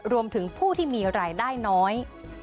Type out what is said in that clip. รวมถึงผู้ที่มีรายได้น้อย